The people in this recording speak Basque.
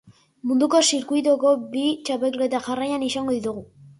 Munduko zirkuitoko bi txapelketa jarraian izango ditu.